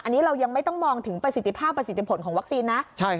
อันนี้เรายังไม่ต้องมองถึงประสิทธิภาพประสิทธิผลของวัคซีนนะ